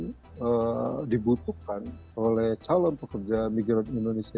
yang dibutuhkan oleh calon pekerja migran indonesia